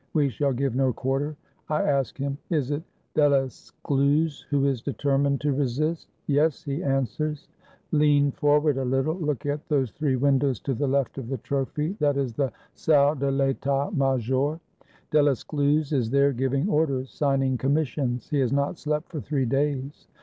"We shall give no quarter." — I ask him, "Is it Delescluze who is determined to resist?" — "Yes," he answers. "Lean forward a little. Look at those three windows to the left of the trophy. That is 410 ONE DAY UNDER THE COMMUNE the Salle de I'Etat Major. Delescluze is there giving orders, signing commissions. He has not slept for three days.